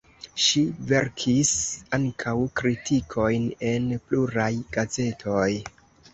Ŝi verkis ankaŭ kritikojn en pluraj gazetoj.